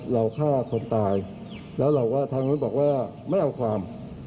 เราฆ่าคนตายแล้วเราก็ทางนู้นบอกว่าไม่เอาความ